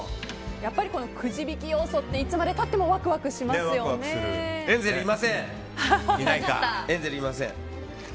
やっぱりこのくじ引き要素っていつまで経ってもエンゼルいません。